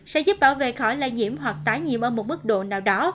sẽ giúp bảo vệ khỏi lây nhiễm hoặc tái nhiễm ở một mức độ nào đó